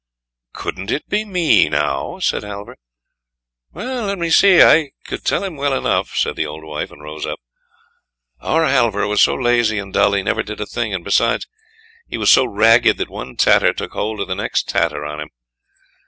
"Couldn't it be me, now?" said Halvor. "Let me see; I could tell him well enough," said the old wife, and rose up. "Our Halvor was so lazy and dull, he never did a thing; and besides, he was so ragged, that one tatter took hold of the next tatter on him.